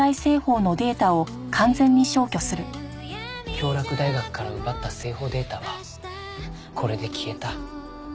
京洛大学から奪った製法データはこれで消えた。